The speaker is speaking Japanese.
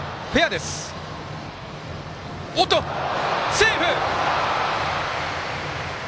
セーフ！